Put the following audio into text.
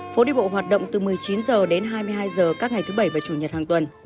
phố đi bộ hoạt động từ một mươi chín h đến hai mươi hai h các ngày thứ bảy và chủ nhật hàng tuần